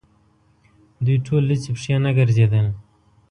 دوی ټول لڅې پښې نه ګرځېدل.